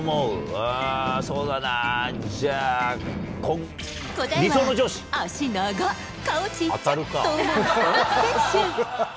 は、そうだな、じゃあ、答えは、足長、顔ちっちゃと思うスポーツ選手。